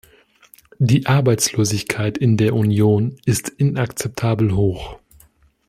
Die Arbeitslosigkeit in der Union ist inakzeptabel hoch.